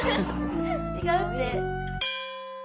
違うって。